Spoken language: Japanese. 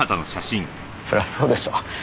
そりゃそうでしょ。